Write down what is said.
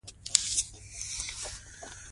که استاد بسم الله خان وایي، نو معلومات سم دي.